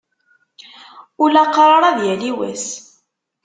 Ulaqṛaṛ ad yali wass.